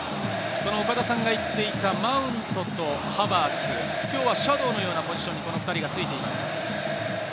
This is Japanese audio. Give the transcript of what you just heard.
岡田さんが言っていたマウントとハバーツ、今日はシャドーのようなポジションにこの２人がついています。